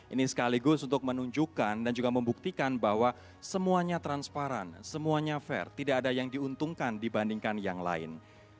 ini sekaligus untuk menunjukkan dan juga membuktikan bahwa semuanya transparan semuanya fair tidak ada yang diuntungkan dibandingkan yang lain